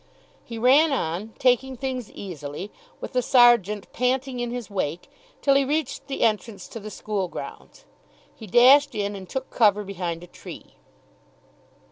He ran on, taking things easily, with the sergeant panting in his wake, till he reached the entrance to the school grounds. He dashed in and took cover behind a tree.